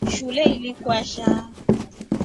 Shule ili kwasha.